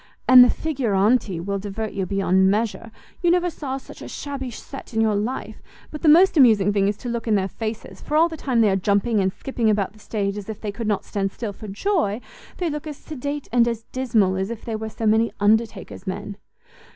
And the figuranti will divert you beyond measure; you never saw such a shabby set in your life: but the most amusing thing is to look in their faces, for all the time they are jumping and skipping about the stage as if they could not stand still for joy, they look as sedate and as dismal as if they were so many undertaker's men."